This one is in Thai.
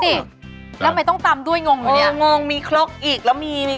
นี่แล้วทำไมต้องตำด้วยงงไหมเนี่ยงงมีครกอีกแล้วมีมี